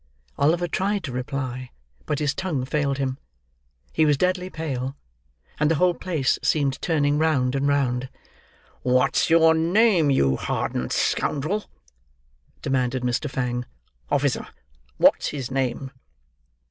Oliver tried to reply but his tongue failed him. He was deadly pale; and the whole place seemed turning round and round. "What's your name, you hardened scoundrel?" demanded Mr. Fang. "Officer, what's his name?"